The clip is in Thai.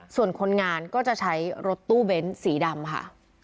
ส่วนคนงานก็จะใช้รถตู้เบ้นสีดำค่ะ